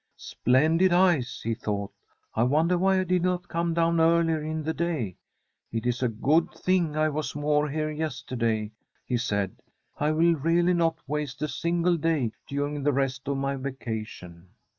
' Splendid ice !' he thought. ' I wonder why I did not come down earlier in the day. It is a good thing I was more here yesterday,' he said. * I will really not waste a single day during the rest of my vacation.'